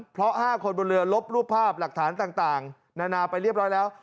เพราะ๕คนบนเรือลบรูปภาพหลักฐานต่างนานาไปเรียบร้อยแล้ว